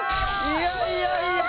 いやいや。